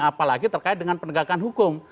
apalagi terkait dengan penegakan hukum